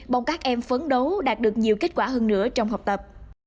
mong các em phấn đấu đạt được nhiều kết quả hơn nữa trong học tập